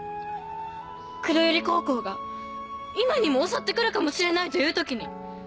黒百合高校が今にも襲って来るかもしれないという時に。